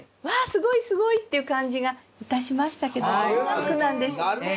すごいすごい！っていう感じがいたしましたけどどんな句なんでしょうね？